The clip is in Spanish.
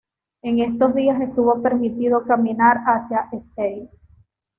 En estos días estuvo permitido caminar hasta St.